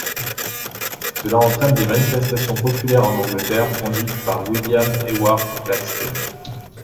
Cela entraîne des manifestations populaires en Angleterre conduites par William Ewart Gladstone.